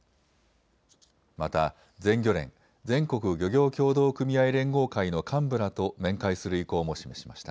また全漁連・全国漁業協同組合連合会の幹部らと面会する意向も示しました。